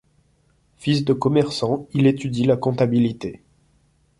Fils de commerçants, il étudie la comptabilité.